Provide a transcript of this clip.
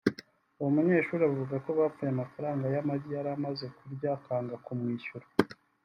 uwo munyeshuri avuga ko bapfuye amafaranga y’amagi yari amaze kurya akanga kumwishyura